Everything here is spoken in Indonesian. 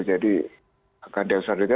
jadi akan diakses